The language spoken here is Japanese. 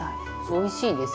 おいしいです。